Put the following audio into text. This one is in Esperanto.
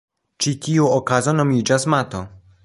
Ĉi tiu okazo nomiĝas mato.